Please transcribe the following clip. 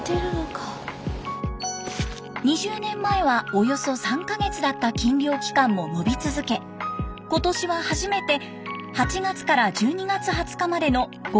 ２０年前はおよそ３か月だった禁漁期間も延び続け今年は初めて８月から１２月２０日までの５か月間近くになりました。